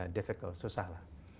difficult susah lah